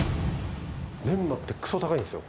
メンマってくそ高いんですよ。